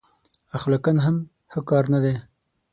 اخلاقأ هم ښه کار دی.